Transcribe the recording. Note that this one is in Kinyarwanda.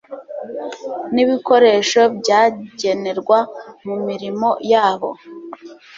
n ibikoresho bagenerwa mu mirimo yabo